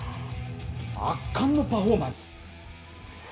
圧巻のパフォーマンス。